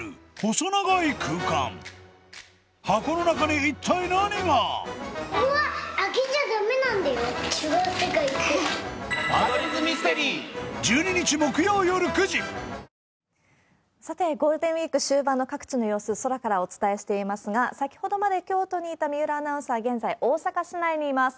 では、さて、ゴールデンウィーク終盤の各地の様子、空からお伝えしていますが、先ほどまで京都にいた三浦アナウンサー、現在、大阪市内にいます。